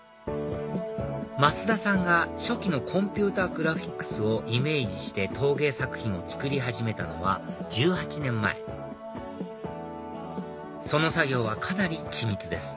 増田さんが初期のコンピューターグラフィックスをイメージして陶芸作品を作り始めたのは１８年前その作業はかなり緻密です